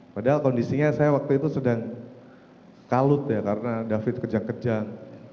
padahal kondisinya saya waktu itu sedang kalut ya karena david kejang kejang